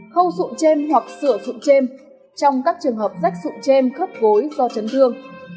khâu sụn chêm hoặc sửa sụn chêm trong các trường hợp rách sụn chêm khớp gối do chấn thương